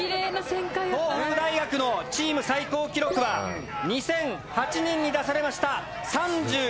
東北大学のチーム最高記録は２００８年に出されました３６ｋｍ。